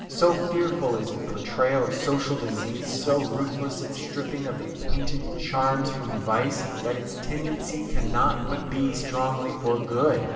So fearful is its portrayal of social disease, so ruthless its stripping of the painted charms from vice, that its tendency cannot but be strongly for good.